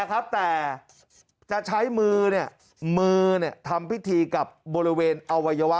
ครับแต่จะใช้มือเนี่ยมือเนี่ยทำพิธีกับบริเวณเอาไววะ